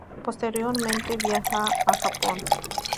Posteriormente viajó a Japón.